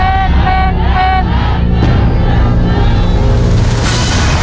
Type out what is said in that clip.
เร็ว